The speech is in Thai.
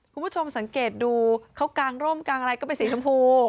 คุณผู้ชมสังเกตดูเขากางร่มกางอะไรก็เป็นสีชมพู